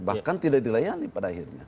bahkan tidak dilayani pada akhirnya